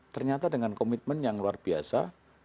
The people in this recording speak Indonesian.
ternyata dengan komitmen yang luar biasa